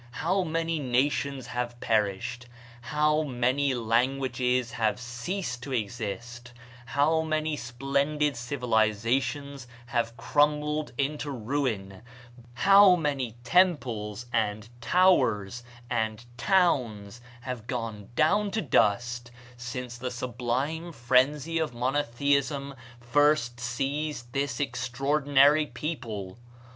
How many nations have perished, how many languages have ceased to exist, how many splendid civilizations have crumbled into ruin, how many temples and towers and towns have gone down to dust since the sublime frenzy of monotheism first seized this extraordinary people!